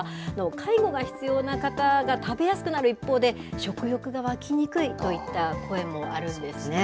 介護が必要な方が食べやすくなる一方で、食欲が湧きにくいといった声もあるんですね。